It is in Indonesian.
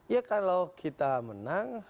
ya kalau kita menang